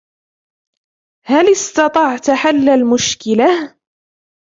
هل استطعت حل المشكلة ؟